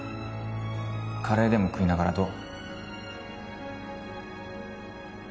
カレーでも食いながらどう？